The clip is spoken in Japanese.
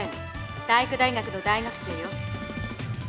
体育大学の大学生よ。